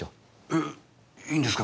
えいいんですか？